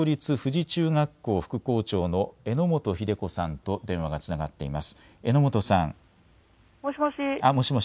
八丈町立富士見中学校副校長の榎本秀子さんと電話がつながっています。